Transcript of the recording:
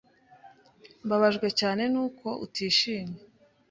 Mbabajwe cyane nuko utishimye.